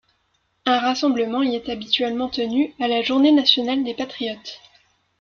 Un rassemblement y est habituellement tenu à la Journée nationale des Patriotes.